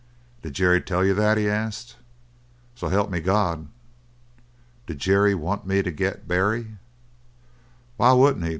"Did Jerry tell you that?" he asked. "So help me God!" "Did Jerry want me to get Barry?" "Why wouldn't he?"